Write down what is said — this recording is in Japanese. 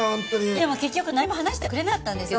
でも結局何も話してはくれなかったんですけど。